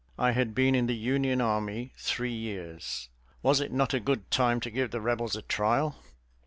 I had been in the Union army three years; was it not a good time to give the Rebels a trial?